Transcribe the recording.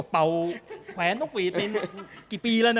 เป่าแขวนต้องกลีเป็นกี่ปีแล้ว